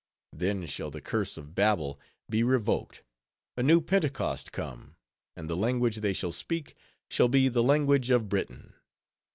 Then shall the curse of Babel be revoked, a new Pentecost come, and the language they shall speak shall be the language of Britain.